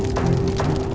gak mau kali